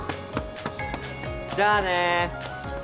じゃあね。